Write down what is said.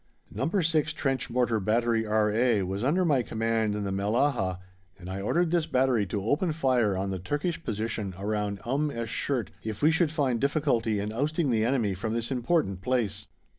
Number 6 Trench Mortar Battery R.A. was under my command in the Mellahah, and I ordered this battery to open fire on the Turkish position round Umm esh Shert, if we should find difficulty in ousting the enemy from this important place.